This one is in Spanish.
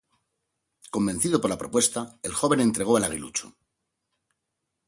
Convencido por la propuesta, el joven entregó al aguilucho.